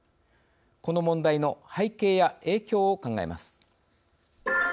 この問題の背景や影響を考えます。